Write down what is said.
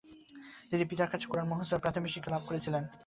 তিনি পিতার কাছে কুরআন মুখস্থ ও প্রাথমিক শিক্ষা লাভ করেছিলেন।